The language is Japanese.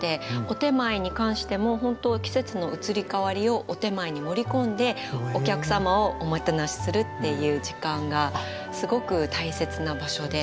お点前に関しても本当季節の移り変わりをお点前に盛り込んでお客様をおもてなしするっていう時間がすごく大切な場所で。